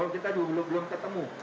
kita juga belum ketemu